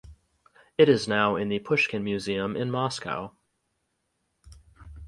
It is now in the Pushkin Museum in Moscow.